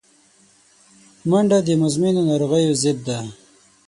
منډه د مزمنو ناروغیو ضد ده